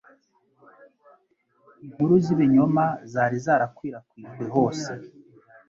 Inkuru z'ibinyoma zari zarakwirakwijwe hose,